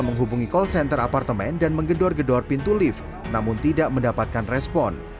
menghubungi call center apartemen dan menggedor gedor pintu lift namun tidak mendapatkan respon